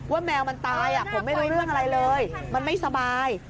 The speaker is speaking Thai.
แมวมันตายผมไม่รู้เรื่องอะไรเลยมันไม่สบาย